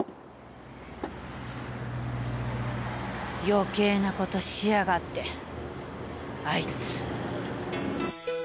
余計なことしやがってあいつ。